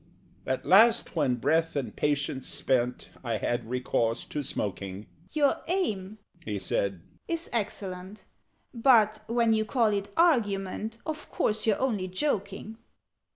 At last, when, breath and patience spent, I had recourse to smoking "Your aim," he said, "is excellent: But when you call it argument Of course you're only joking?"